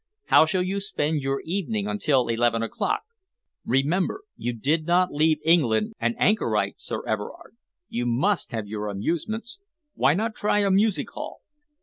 How shall you spend your evening until eleven o'clock? Remember you did not leave England an anchorite, Sir Everard. You must have your amusements. Why not try a music hall?"